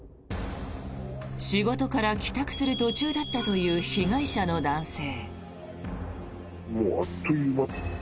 仕事から帰宅する途中だったという被害者の男性。